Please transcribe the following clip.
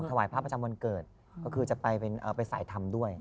ถวายพระประจำวันเกิดก็คือจะไปสายธรรมด้วย